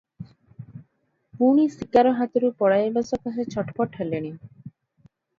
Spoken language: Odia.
ପୁଣି ଶିକାର ହାତରୁ ପଳାଇବା ସକାଶେ ଛଟପଟ ହେଲେଣି ।